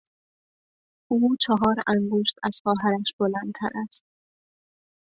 او چهار انگشت از خواهرش بلندتر است.